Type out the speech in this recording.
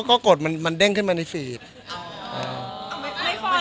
ไม่ได้เข้าไปส่องเขากดชื่อไอจีเขา